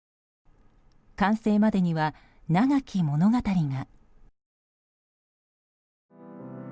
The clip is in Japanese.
完成までには長き物語が。